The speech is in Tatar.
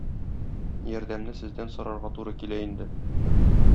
Ярдәмне сездән сорарга туры килә инде.